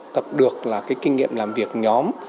tập được là kinh nghiệm làm việc nhóm